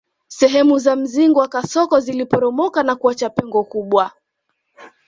Sehemu za mzingo wa kasoko ziliporomoka na kuacha pengo kubwa